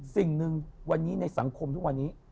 สิ่งหนึ่งวันนี้ในสังคมทุกวันนี้